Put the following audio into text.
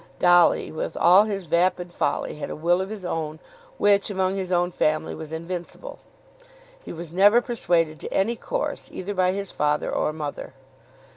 Dolly, with all his vapid folly, had a will of his own, which, among his own family, was invincible. He was never persuaded to any course either by his father or mother.